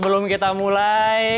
sebelum kita mulai